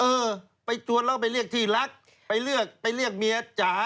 เออไปจวนเราไปเรียกที่รักไปเรียกเมียจ๋า